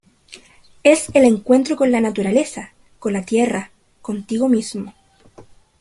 Es el encuentro con la naturaleza, con la tierra, contigo mismo.